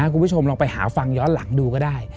คุณผู้ชมลองไปหาฟังย้อนหลังดูก็ได้